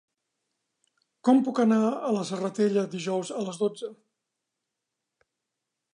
Com puc anar a la Serratella dijous a les dotze?